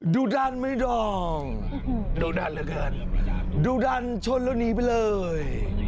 ดูดันไหมดองโดดันเหลือเกินดูดันชนแล้วหนีไปเลย